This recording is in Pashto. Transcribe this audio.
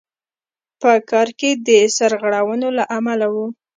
په کار کې د سرغړونو له امله وو.